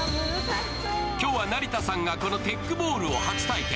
今日は成田さんがこのテックボールを初体験。